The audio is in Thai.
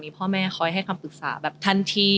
พ่อแม่คอยให้คำปรึกษาแบบทันที